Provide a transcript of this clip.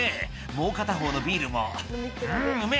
「もう片方のビールもうんうめぇ」